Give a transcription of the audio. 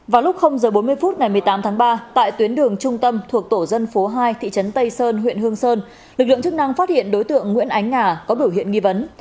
vào lúc h bốn mươi phút ngày một mươi tám tháng ba tại tuyến đường trung tâm thuộc tổ dân phố hai thị trấn tây sơn huyện hương sơn lực lượng chức năng phát hiện đối tượng nguyễn ánh ngà có biểu hiện nghi vấn